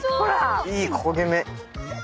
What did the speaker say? いい焦げ目。